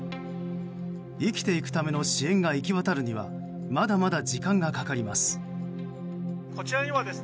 生きていくための支援が行き渡るにはまだまだ時間がかかります。